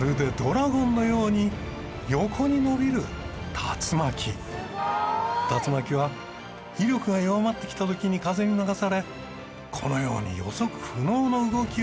竜巻は威力が弱まってきた時に風に流されこのように予測不能の動きをするんです。